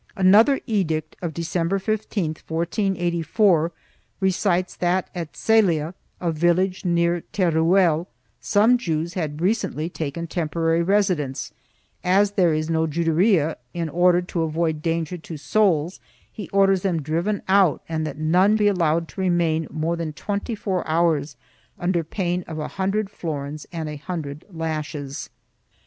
Another edict of December 15, 1484, recites that at Cell a, a village near Teruel, some Jews had recently taken temporary residence; as there is no Juderia, in order to avoid danger to souls, he orders them driven out and that none be allowed to remain more than twenty four hours under pain of a hundred florins and a hundred lashes.